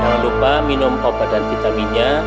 jangan lupa minum obat dan vitaminnya